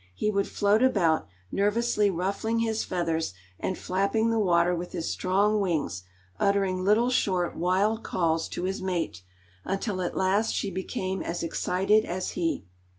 He would float about, nervously, ruffling his feathers, and flapping the water with his strong wings, uttering little short, wild calls to his mate, until at last she became as excited as he.